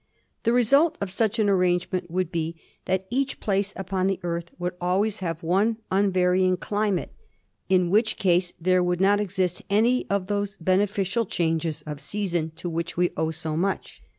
The result of such an arrangement would be that each place upon the Earth would always have one unvarying climate, in which THE EARTH 157 case there would not exist any of those beneficial changes of season to which we owe so much.